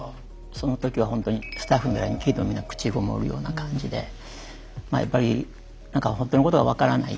そのときはほんとにスタッフの誰に聞いてもみんな口籠もるような感じでまあやっぱり何かほんとのことが分からない。